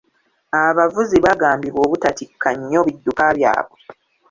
Abavuzi baagambibwa obutatikka nnyo bidduka byabwe.